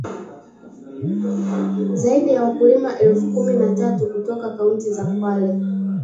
Zaidi ya wakulima elfu kumi na tatu kutoka kaunti za Kwale